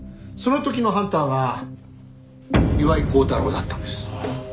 その時のハンターが岩井剛太郎だったんです。